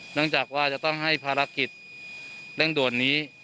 เนื่องจากว่าจะต้องให้ภารกิจเร่งด่วนนี้